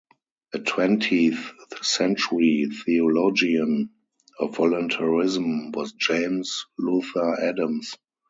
A twentieth-century theologian of voluntarism was James Luther Adams.